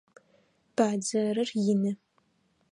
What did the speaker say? Бадзэрыр ины.